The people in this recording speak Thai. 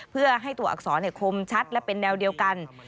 เพื่อให้ตัวอักษรคมชัดและเป็นแนวเดียวกัน